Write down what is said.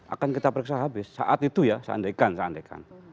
akan kita periksa habis saat itu ya seandaikan seandaikan